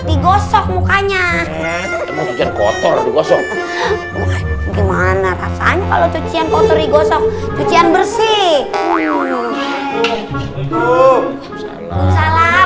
digosok mukanya gimana rasanya kalau cucian kotor digosok cucian bersih salah